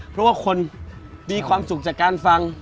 เพราะว่าคนมีความสุขจากการฟัง